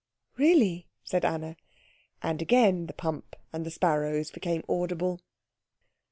"Really?" said Anna; and again the pump and the sparrows became audible.